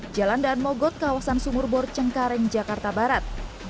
jalan dan mogot kawasan sumurbor cengkareng jakarta barat